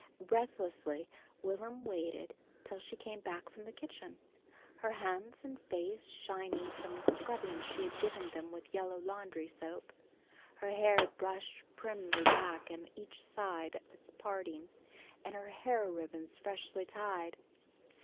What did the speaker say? Breathlessly Will'm waited till she came back from the kitchen, her hands and face shining from the scrubbing she had given them with yellow laundry soap, her hair brushed primly back on each side of its parting and her hair ribbons freshly tied.